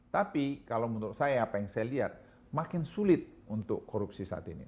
tapi kalau menurut saya apa yang saya lihat makin sulit untuk korupsi saat ini